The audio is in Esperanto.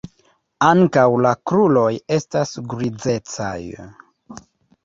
Ankaŭ la kruroj estas grizecaj.